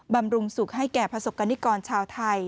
บำรุงสุขให้แก่ประสบกรณิกรชาวไทย